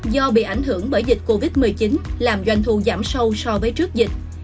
do bị ảnh hưởng bởi dịch covid một mươi chín làm doanh thu giảm sâu so với trước dịch